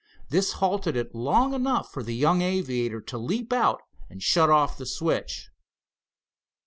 This halted it long enough for the young aviator to leap out and shut off the switch.